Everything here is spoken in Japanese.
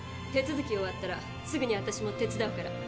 手続き終わったらすぐに私も手伝うから。